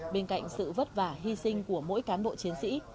bên cạnh sự vất vả hy sinh của mỗi cán bộ chiến sĩ